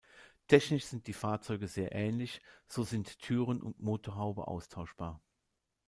Technisch sind die Fahrzeuge sehr ähnlich, so sind Türen und Motorhaube austauschbar.